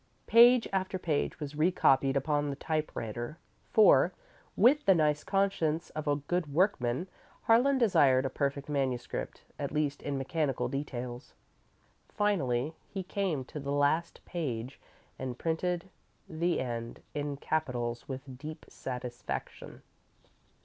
Page after page was re copied upon the typewriter, for, with the nice conscience of a good workman, Harlan desired a perfect manuscript, at least in mechanical details. Finally, he came to the last page and printed "The End" in capitals with deep satisfaction.